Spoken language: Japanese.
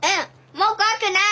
もう怖くない！